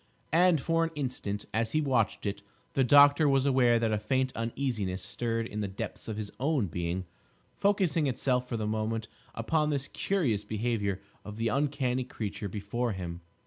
And, for an instant, as he watched it, the doctor was aware that a faint uneasiness stirred in the depths of his own being, focusing itself for the moment upon this curious behaviour of the uncanny creature before him.